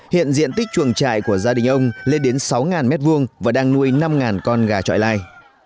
hiện diện tích chuồng trại của gia đình ông lên đến sáu m hai và đang nuôi năm con gà trọi lai